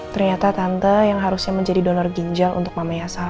ternyata tante yang harusnya menjadi donor ginjal untuk mamayasa